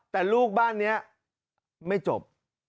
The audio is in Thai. แต่ลูกบ้านนี้ไม่จบ